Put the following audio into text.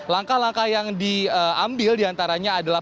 langkah langkah yang diambil diantaranya adalah